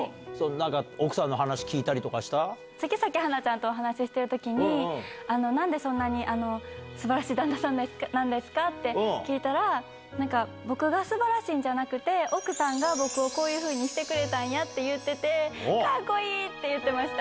なんか奥さんの話聞いたりとかし杉咲花ちゃんとお話してるときに、なんでそんなにすばらしい旦那さんなんですかって聞いたら、なんか、僕がすばらしいんじゃなくて、奥さんが僕をこういうふうにしてくれたんやって言ってて、かっこいいって言ってました。